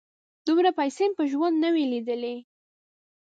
_دومره پيسې مې په ژوند نه وې لېدلې.